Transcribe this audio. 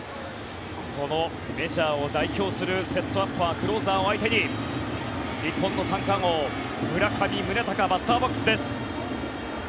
このメジャーを代表するセットアッパークローザーを相手に日本の三冠王、村上宗隆バッターボックスです。